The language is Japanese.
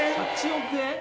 ８億円？